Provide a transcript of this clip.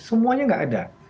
semuanya tidak ada